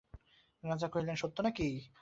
রাজা কহিলেন, সত্য নাকি।